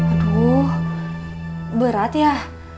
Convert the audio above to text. aduh berat ya